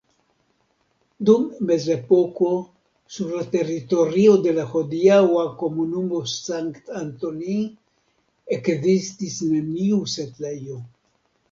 Dum mezepoko sur la teritorio de la hodiaŭa komunumo Sankt-Antoni ekzistis neniu setlejo.